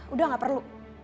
udah gak perlu